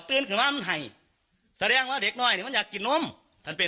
ตื่นขึ้นมามันให้แสดงว่าเด็กน้อยเนี่ยมันอยากกินนมท่านเป็น